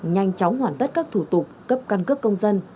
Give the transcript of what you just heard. nhanh chóng hoàn tất các thủ tục cấp căn cước công dân